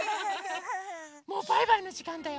もうバイバイのじかんだよ。